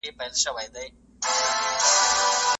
د هغه بحثونه نن سبا هم د پام وړ دي.